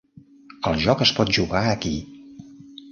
El joc es pot jugar aquí.